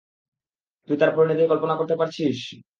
তুই তার পরিণতি কল্পণা করতে পারছিস?